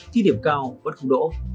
thi điểm cao vẫn không đỗ